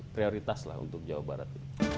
prioritas untuk jawa barat